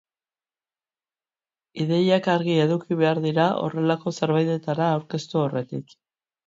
Ideiak argi eduki behar dira horrelako zerbaitetara aurkeztu aurretik.